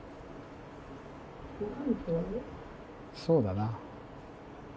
そうだな。